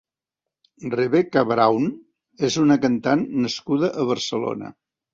Rebeka Brown és una cantant nascuda a Barcelona.